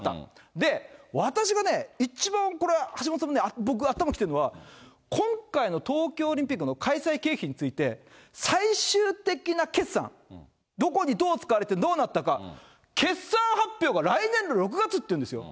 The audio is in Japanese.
で、私が一番これ、橋下さんも頭来てるのは、今回の東京オリンピックの開催経費について、最終的な決算、どこにどう使われて、どうなったか、決算発表が来年の６月っていうんですよ。